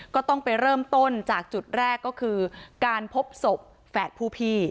ก็ต้องไปเริ่มต้นจากจุดแรกก็คือการพบศพแฝดผู้พี่